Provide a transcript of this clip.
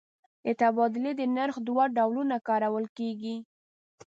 د تبادلې د نرخ دوه ډولونه کارول کېږي.